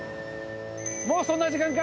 もうそんな時間か。